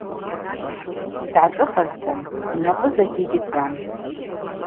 Дгӏашӏыхазтын – йнапӏы закӏгьи гьыцӏам.